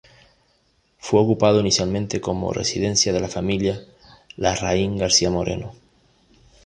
Fue ocupado inicialmente como residencia de la familia Larraín García Moreno.